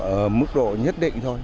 ở mức độ nhất định thôi